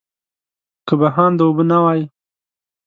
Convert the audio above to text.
که بهانده اوبه نه وای.